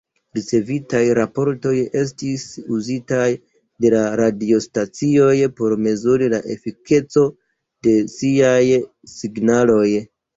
Ricevitaj raportoj estis uzitaj de la radiostacioj por mezuri la efikecon de siaj signaloj.